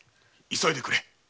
急いでくれ。